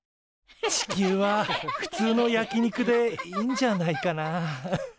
地球はふつうの焼き肉でいいんじゃないかなアッハハ。